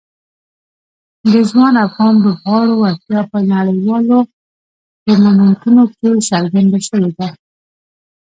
د ځوان افغان لوبغاړو وړتیا په نړیوالو ټورنمنټونو کې څرګنده شوې ده.